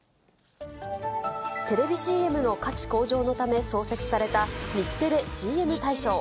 テレビＣＭの価値向上のため創設された、日テレＣＭ大賞。